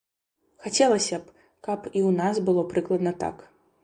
Хацелася б, каб і ў нас было прыкладна так.